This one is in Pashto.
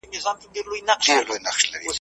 شپې رخصت پر جنازو کړې په سهار پسي سهار کې `